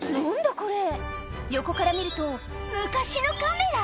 これ横から見ると昔のカメラ⁉